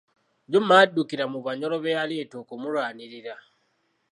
Juma yaddukira mu Banyoro be yaleeta okumulwanirira.